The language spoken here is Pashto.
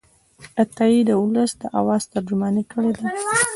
عطايي د ولس د آواز ترجماني کړې ده.